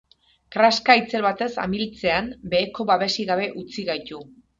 Kraska itzel batez amiltzean, beheko babesik gabe utzi gaitu.